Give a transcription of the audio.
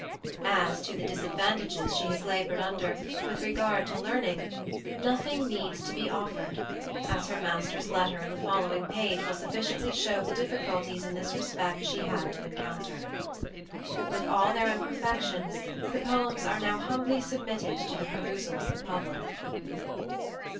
As to the Disadvantages she has laboured under, with Regard to Learning, nothing needs to be offered, as her Master's Letter in the following Page will sufficiently show the Difficulties in this Respect she had to encounter. With all their Imperfections, the Poems are now humbly submitted to the Perusal of the Public.